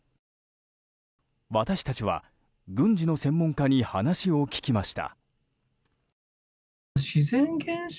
私たちは軍事の専門家に話を聞きました。